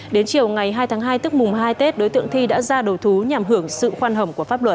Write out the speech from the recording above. đến chiều ngày hai tháng hai tức mùng hai tết đối tượng thi đã ra đầu thú nhằm hưởng sự khoan hồng của pháp luật